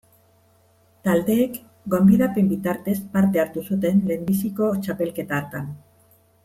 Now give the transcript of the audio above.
Taldeek gonbidapen bitartez parte hartu zuten lehenbiziko txapelketa hartan.